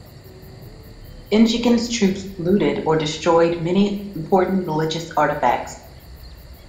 Inchiquin's troops looted or destroyed many important religious artefacts.